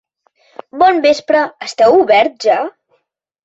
Bon vespre, esteu oberts ja?